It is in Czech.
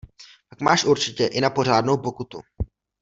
Pak máš určitě i na pořádnou pokutu.